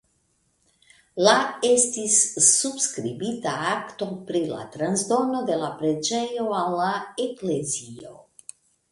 La estis subskribita akto pri la transdono de la preĝejo al la eklezio.